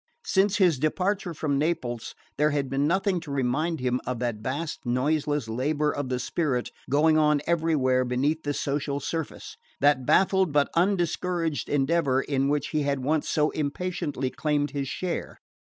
Since his departure from Naples there had been nothing to remind him of that vast noiseless labour of the spirit going on everywhere beneath the social surface: that baffled but undiscouraged endeavour in which he had once so impatiently claimed his share.